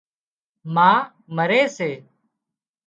مانَ مۯي سي